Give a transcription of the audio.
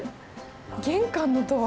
玄関のドア